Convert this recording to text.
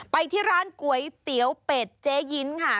ไปที่ร้านก๋วยเตี๋ยวเป็ดเจ๊ยิ้นค่ะ